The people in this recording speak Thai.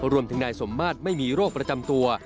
รวมถึงนายสมมาตรไม่มีโรคประจำตัว